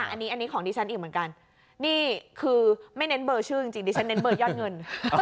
อันนี้ของดิฉันอีกเหมือนกันนี่คือไม่เน้นเบอร์ชื่อจริงดิฉันเน้นเบอร์ยอดเงิน